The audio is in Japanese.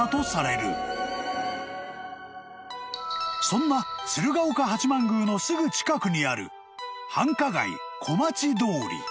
［そんな鶴岡八幡宮のすぐ近くにある繁華街小町通り］